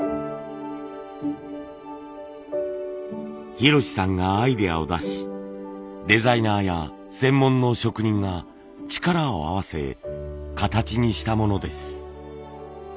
博さんがアイデアを出しデザイナーや専門の職人が力を合わせ形にしたものです。